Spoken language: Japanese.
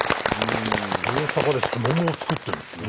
大阪ですももを作ってるんですね。